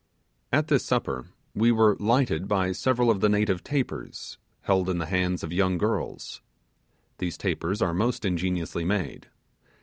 At this supper we were lighted by several of the native tapers, held in the hands of young girls. These tapers are most ingeniously made.